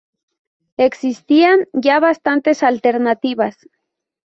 Existían ya bastantes alternativas.